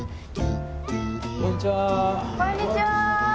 こんにちは。